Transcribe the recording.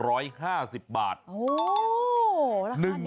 โอ้โหราคาดีอ่ะ